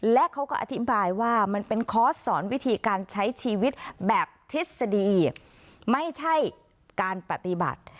และเขาก็อธิบายว่ามันเป็นคอร์สสอนวิธีการใช้ชีวิตแบบทฤษฎีไม่ใช่การปฏิบัติ